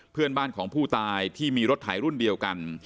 เพื่อนบ้านของผู้ตายที่มีรถไถรุ่นเดียวกัน